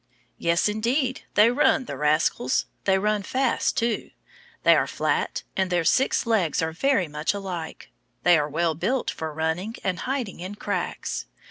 Yes, indeed, they run, the rascals. They run fast too. They are flat and their six legs are very much alike. They are well built for running and hiding in cracks.